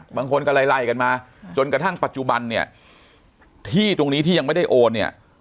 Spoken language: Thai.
บางคนก็ไล่ไล่กันมาจนกระทั่งปัจจุบันเนี่ยที่ตรงนี้ที่ยังไม่ได้โอนเนี่ย